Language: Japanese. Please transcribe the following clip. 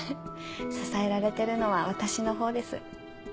支えられてるのは私のほうです。